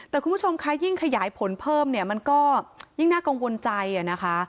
แต่คุณผู้ชมคะยิ่งขยายผลเพิ่มเนี่ยมันก็ยิ่งน่ากังวลใจนะคะ